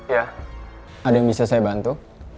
ya ada yang bisa saya bantu